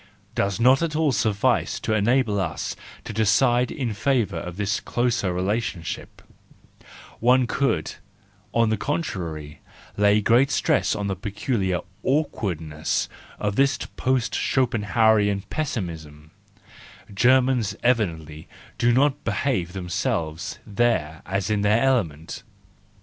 — does not at all suffice to enable us to decide in favour of this closer relationship; one could, on the contrary, lay great stress on the peculiar awk¬ wardness of this post Schopenhauerian Pessimism —Germans evidently do not behave themselves there as in their element.